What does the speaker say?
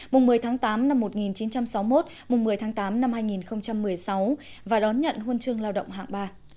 mùng một mươi tháng tám năm một nghìn chín trăm sáu mươi một mùng một mươi tháng tám năm hai nghìn một mươi sáu và đón nhận huân chương lao động hạng ba